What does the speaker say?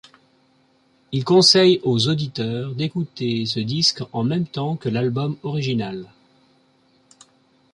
Il conseille aux auditeurs d'écouter ce disque en même temps que l'album original.